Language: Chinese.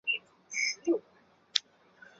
瑞斯蒂尼阿克人口变化图示